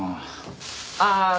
ああ。